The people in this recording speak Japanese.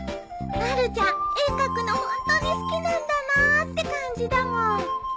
まるちゃん絵描くのホントに好きなんだなあって感じだもん。